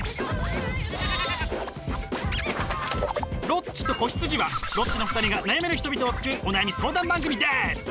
「ロッチと子羊」はロッチの２人が悩める人々を救うお悩み相談番組です！